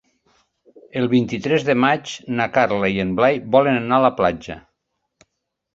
El vint-i-tres de maig na Carla i en Blai volen anar a la platja.